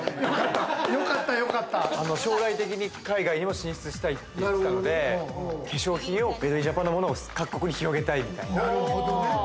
将来的に海外にも進出したいって言っていたので、化粧品をメイド・イン・ジャパンのものを各国に広めたいみたいな。